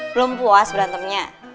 belum puas berantemnya